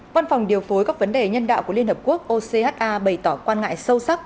văn phòng điều phối các vấn đề nhân đạo của liên hợp quốc ocha bày tỏ quan ngại sâu sắc